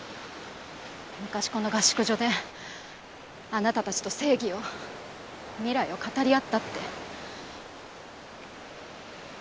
昔この合宿所であなたたちと正義を未来を語り合ったって。